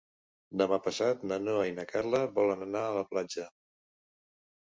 Demà passat na Noa i na Carla volen anar a la platja.